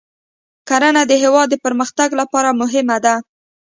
کرنه د هیواد د پرمختګ لپاره مهمه ده.